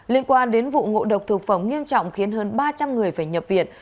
liên quan đến vụ ngộ độc thực phẩm nghiêm trọng khiến hơn ba trăm linh người phải nhập viện